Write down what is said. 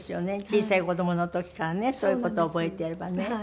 小さい子供の時からねそういう事を覚えていればね。